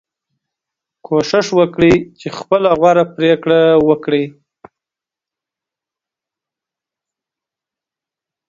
کوشش وکړئ چې خپله غوره پریکړه وکړئ.